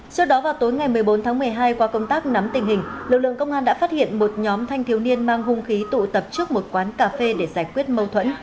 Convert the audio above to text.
trước đó vào tối ngày một mươi bốn tháng một mươi hai qua công tác nắm tình hình lực lượng công an đã phát hiện một nhóm thanh thiếu niên mang hung khí tụ tập trước một quán cà phê để giải quyết mâu thuẫn